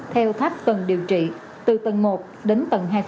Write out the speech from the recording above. theo tháp tầng điều trị từ tầng một đến tầng hai năm